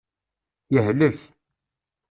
Yehlek.